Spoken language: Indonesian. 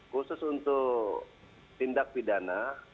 khusus untuk tindak pidana